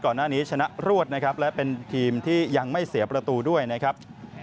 ชนะรวดนะครับและเป็นทีมที่ยังไม่เสียประตูด้วยนะครับ